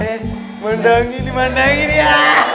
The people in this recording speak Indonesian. eh mandangin mandangin ya